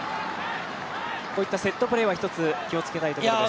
こういったセットプレーは１つ気をつけたいところです。